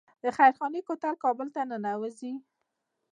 د خیرخانې کوتل کابل ته ننوځي